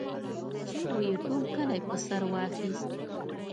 چيغو يې ټول کلی په سر واخيست.